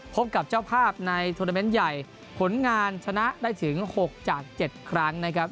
พบกับเจ้าภาพในโทรนาเมนต์ใหญ่ผลงานชนะได้ถึง๖จาก๗ครั้งนะครับ